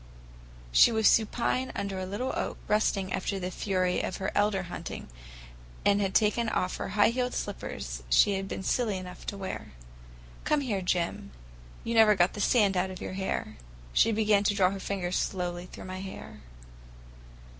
She was supine under a little oak, resting after the fury of her elder hunting, and had taken off the high heeled slippers she had been silly enough to wear. "Come here, Jim. You never got the sand out of your hair." She began to draw her fingers slowly through my hair.